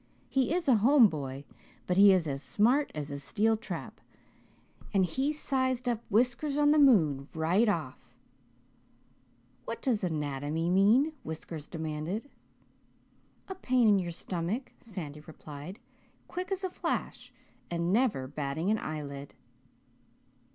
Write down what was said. He is a Home boy, but he is as smart as a steel trap, and he sized up Whiskers on the moon right off. 'What does "anatomy" mean?' Whiskers demanded. 'A pain in your stomach,' Sandy replied, quick as a flash and never batting an eyelid.